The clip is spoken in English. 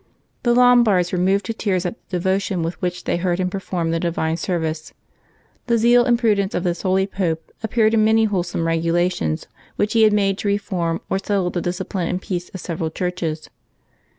The Lom bards were moved to tears at the devotion with which they heard him perform the divine service. The zeal and pru dence of this holy Pope appeared in many wholesome regulations which he had made to reform or settle the discipline and peace of several churches.